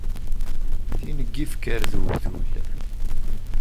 Tin n yifker d uwtul.